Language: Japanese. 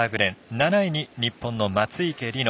７位に日本の松生理乃